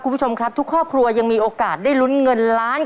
คุณผู้ชมครับทุกครอบครัวยังมีโอกาสได้ลุ้นเงินล้าน